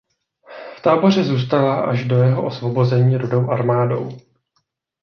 V táboře zůstala až do jeho osvobození Rudou armádou.